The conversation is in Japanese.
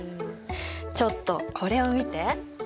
ちょっとこれを見て。